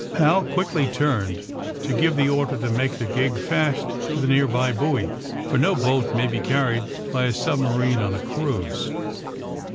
''' Hal quickly turned to give the order to make • the gig fast to the nearby buoy, for no boat may be carried by a submarine on a cruise.